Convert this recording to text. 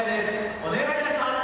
「お願いいたします。